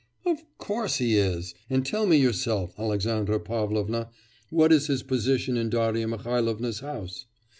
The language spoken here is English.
'Of course he is. And tell me yourself, Alexandra Pavlovna, what is his position in Darya Mihailovna's house?